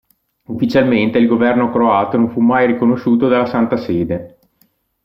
Ufficialmente il governo croato non fu mai riconosciuto dalla Santa Sede.